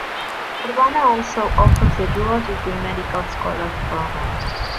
Urbana also offers the dual-degree Medical Scholars Program.